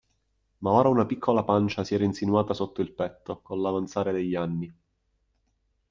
Ma ora una piccola pancia si era insinuata sotto il petto, con l'avanzare degli anni.